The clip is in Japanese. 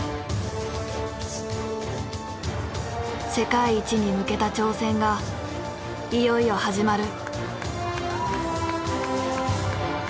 世界一に向けた挑戦がいよいよ始まる。